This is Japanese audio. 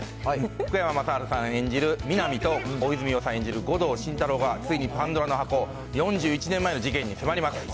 福山雅治さん演じる、皆実と、大泉洋さん演じる護道心太朗が、ついにパンドラの箱、４１年前の事件に迫ります。